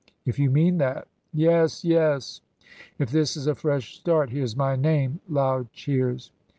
If you mean that," (Yes, yes), "if this is a fresh start, here's my name!" (Loud cheers.)